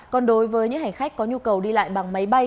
còn đối với những hành khách có nhu cầu đi lại bằng máy bay